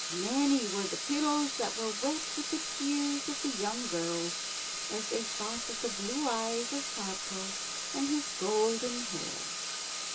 Many were the pillows that were wet with the tears of the young girls, as they thought of the blue eyes of Sadko and his golden hair.